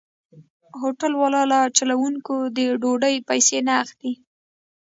هوټل والا له چلوونکو د ډوډۍ پيسې نه اخلي.